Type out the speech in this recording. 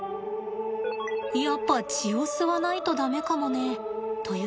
やっぱ血を吸わないと駄目かもね。という